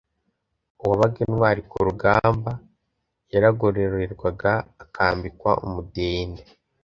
uwabaga intwari ku rugamba yaragororerwaga, akambikwa umudende,